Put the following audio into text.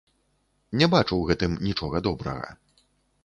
Не бачу ў гэтым нічога добрага.